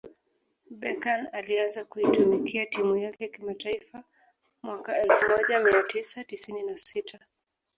Beckam alianza kuitumikia timu yake kimataifa mwaka elfu moja mia tisa tisini na sita